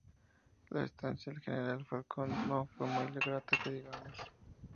La estancia del General Falcón no fue muy grata que digamos.